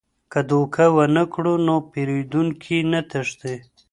که دوکه ونه کړو نو پیرودونکي نه تښتي.